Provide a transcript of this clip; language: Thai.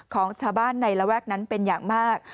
ของชาวบ้านในระแวกนั้นเป็นอย่างมาก